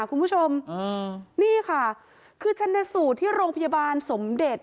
คุณผู้ชมนี่ค่ะคือชนะสูตรที่โรงพยาบาลสมเด็จ